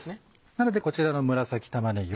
なのでこちらの紫玉ねぎ